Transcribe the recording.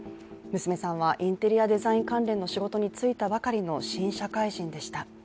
娘さんはインテリアデザイン関連の仕事に就いたばかりの、新社会人でした。